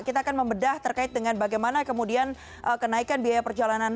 kita akan membedah terkait dengan bagaimana kemudian kenaikan biaya perjalanan